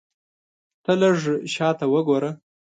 ته لږ شاته وګوره !